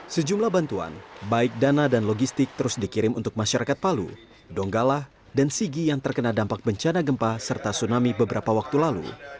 sejumlah bantuan baik dana dan logistik terus dikirim untuk masyarakat palu donggala dan sigi yang terkena dampak bencana gempa serta tsunami beberapa waktu lalu